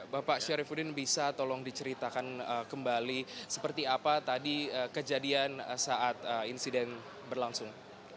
bapak syarifudin bisa tolong diceritakan kembali seperti apa tadi kejadian saat insiden berlangsung